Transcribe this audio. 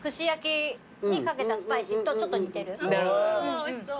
おいしそう。